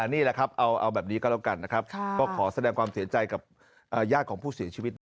นี่แหละครับเอาแบบนี้ก็แล้วกันนะครับก็ขอแสดงความเสียใจกับญาติของผู้เสียชีวิตด้วย